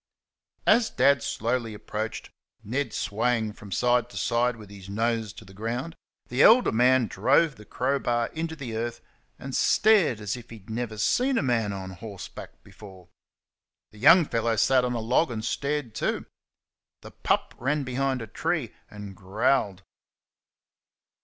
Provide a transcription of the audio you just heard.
As Dad slowly approached, Ned swaying from side to side with his nose to the ground, the elder man drove the crowbar into the earth and stared as if he had never seen a man on horseback before. The young fellow sat on a log and stared too. The pup ran behind a tree and growled.